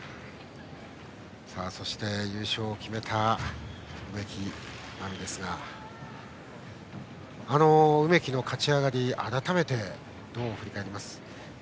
そして、優勝を決めた梅木真美ですが梅木の勝ち上がりを改めてどう振り返りますか？